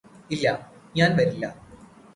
ഇല്ലാ ഞാന് വരില്ലാ